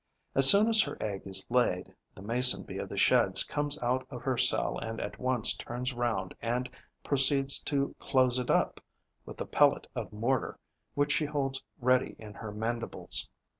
As soon as her egg is laid, the Mason bee of the Sheds comes out of her cell and at once turns round and proceeds to close it up with the pellet of mortar which she holds ready in her mandibles.